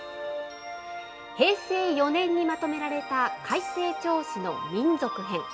平成４年にまとめられた開成町史の民俗編。